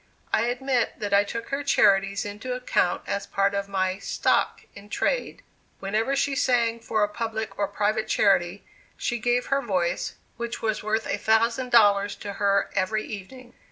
I admit that I took her charities into account as part of my "stock in trade." Whenever she sang for a public or private charity, she gave her voice, which was worth a thousand dollars to her every evening.